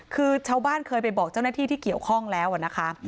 คือชาวบ้านเคยไปบอกเจ้าหน้าที่ที่เกี่ยวข้องแล้วนะคะ